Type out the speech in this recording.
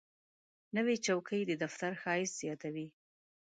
نوې چوکۍ د دفتر ښایست زیاتوي